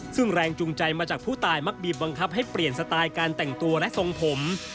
ซึ่งแรงจูงใจมาจากผู้ตายมักบีบบังคับให้เปลี่ยนสไตล์การแต่งตัวและทรงผม